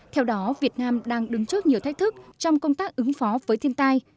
theo đó việt nam đang đứng trước nhiều thách thức trong công tác ứng phó với thiên tai